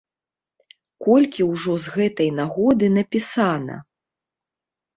Колькі ўжо з гэтай нагоды напісана!